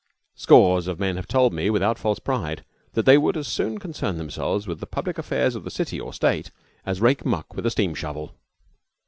Scores of men have told me, without false pride, that they would as soon concern themselves with the public affairs of the city or state as rake muck with a steam shovel.